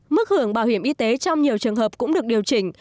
mức hưởng bảo hiểm y tế trong nhiều trường hợp cũng được điều chỉnh